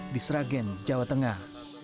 di sragen jawa tengah